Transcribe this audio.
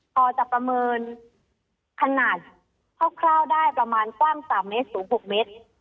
พอจะประเมินขนาดคร่าวได้ประมาณกว้าง๓เมตรสูง๖เมตร